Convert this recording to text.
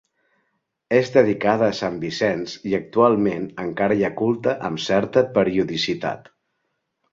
És dedicada a Sant Vicenç i actualment encara hi ha culte amb certa periodicitat.